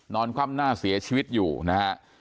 นอนข้ามหน้าเสียชีวิตอยู่นะครับ